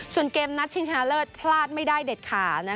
ส่วนเกมนัดชิงชนะเลิศพลาดไม่ได้เด็ดขา